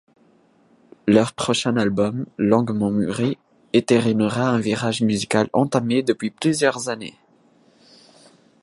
Leur prochain album, longuement muri, entérinera un virage musical entamé depuis plusieurs années.